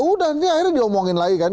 ya udah nih akhirnya diomongin lagi kan